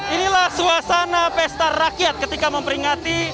inilah suasana pesta rakyat ketika memperingati